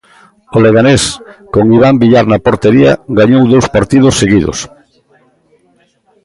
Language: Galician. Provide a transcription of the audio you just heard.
O Leganés, con Iván Villar, na portería, gañou dous partidos seguidos.